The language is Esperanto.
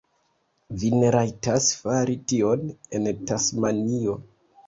Vi ne rajtas fari tion en Tasmanio.